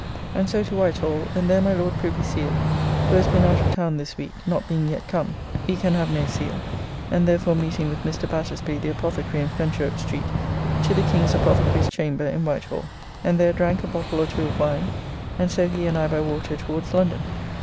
And so to Whitehall, and there my Lord Privy Seal, who has been out of town this week, not being yet come, we can have no seal, and therefore meeting with Mr. Battersby the apothecary in Fenchurch Street to the King's Apothecary's chamber in Whitehall, and there drank a bottle or two of wine, and so he and I by water towards London.